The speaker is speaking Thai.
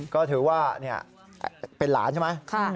ก็ถือว่าเป็นหลานใช่ไหม